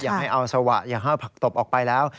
อย่าให้เอาสวะอย่าให้ผักตบออกไปแล้ว